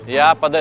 ya pak deh